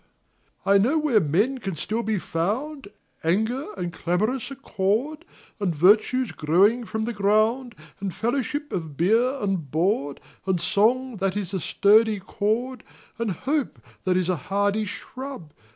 I know where Men can still be found. Anger and clamorous accord. And virtues growing from the ground, And fellowship of beer and board, And song, that is a sturdy cord, And hope, that is a hardy shrub.